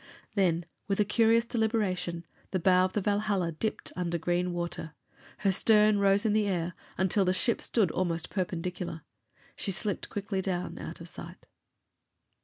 Then, with a curious deliberation, the bow of the Valhalla dipped under green water; her stern rose in the air until the ship stood almost perpendicular. She slipped quickly down, out of sight.